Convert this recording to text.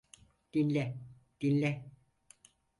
Dinle, dinle.